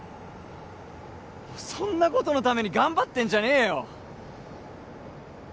そんなことのために頑張ってんじゃねえよ